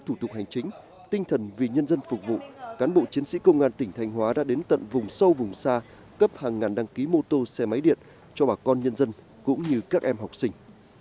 tinh thần vì nhân dân phục vụ cán bộ chiến sĩ công an tỉnh thành hóa đã đến tận vùng sâu vùng xa cấp hàng ngàn đăng ký mô tô xe máy điện cho bà con nhân dân cũng như các em học sinh